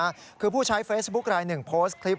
คือผู้ใช้เฟซบุ๊คลายหนึ่งโพสต์คลิป